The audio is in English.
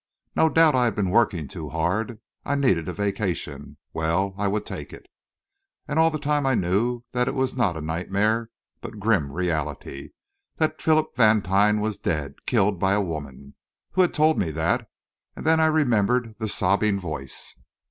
No doubt I had been working too hard. I needed a vacation well, I would take it.... And all the time I knew that it was not a nightmare, but grim reality; that Philip Vantine was dead killed by a woman. Who had told me that? And then I remembered the sobbing voice....